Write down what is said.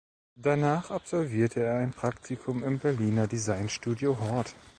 Danach absolvierte er ein Praktikum im Berliner Designstudio Hort.